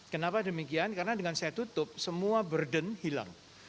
kenapa demikian karena dengan saya tutup semua burden hilang